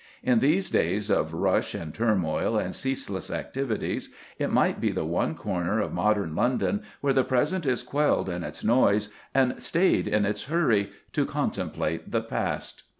In these days of rush and turmoil and ceaseless activities, it might be the one corner of modern London where the present is quelled in its noise, and stayed in its hurry, to contemplate the past.